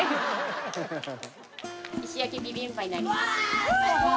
石焼ビビンバになりますうわ